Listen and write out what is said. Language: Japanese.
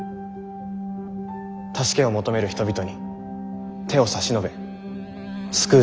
助けを求める人々に手を差し伸べ救う政治。